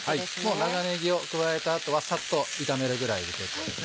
もう長ねぎを加えた後はサッと炒めるぐらいで結構です。